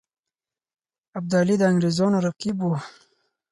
ابدالي د انګرېزانو رقیب وو.